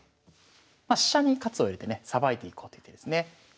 まあ飛車に活を入れてねさばいていこうという手ですね。